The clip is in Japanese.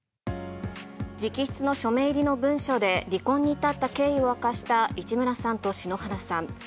直筆の署名入りの文書で、離婚に至った経緯を明かした市村さんと篠原さん。